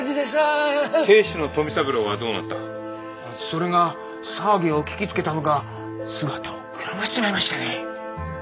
それが騒ぎを聞きつけたのか姿をくらましちまいましてね。